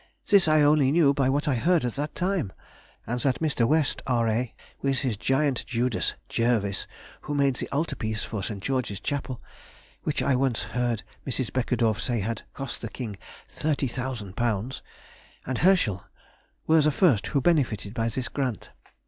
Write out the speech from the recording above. This I only knew by what I heard at that time, and that Mr. West, R.A., with his giant Judas, Jervis, who made the altar piece for St. George's chapel (which I once heard Mrs. Beckedorff say had cost the King £30,000), and Herschel, were the first who benefited by this grant.